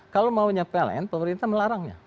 kalau maunya pln pemerintah melarangnya